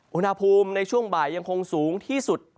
อุณหภูมิในช่วงบ่ายยังคงสูงที่สุด